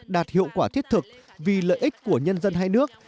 đạt hiệu quả thiết thực vì lợi ích của nhân dân hai nước